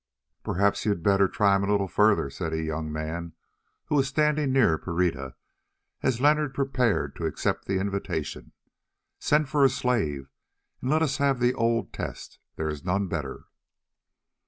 "Perhaps you had better try him a little further," said a young man who was standing near Pereira, as Leonard prepared to accept the invitation; "send for a slave and let us have the old test—there is none better."